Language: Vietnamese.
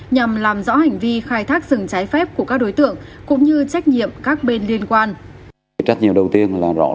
nhằm làm rõ hành vi khai thác rừng trái phép của các đối tượng cũng như trách nhiệm các bên liên quan